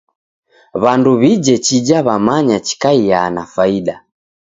W'andu w'ije chija w'amanya chikaiaa na faida.